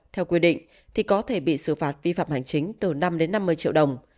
theo quy định thì có thể bị xử phạt vi phạm hành chính từ năm đến năm mươi triệu đồng